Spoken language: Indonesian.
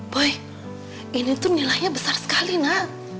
boy ini tuh nilainya besar sekali nak